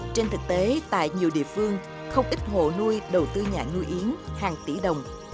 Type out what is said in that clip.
trên thực tế tại nhiều địa phương không ít hộ nuôi đầu tư nhà nuôi yến hàng tỷ đồng